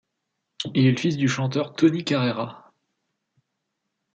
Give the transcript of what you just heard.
Il est le fils du chanteur Tony Carreira.